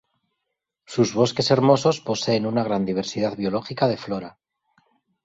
Sus bosques hermosos poseen una gran diversidad biológica de flora.